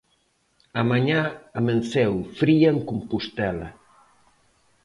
A mañá amenceu fría en Compostela.